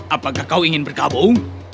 apakah kau ingin bergabung